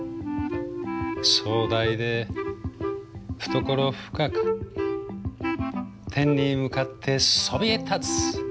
壮大で懐深く天に向かってそびえ立つ。